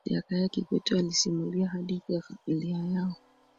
jakaya kikwete alisimulia hadithi ya familia yao